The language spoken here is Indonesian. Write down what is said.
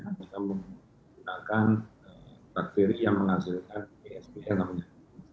kita menggunakan bakteri yang menghasilkan psbl namanya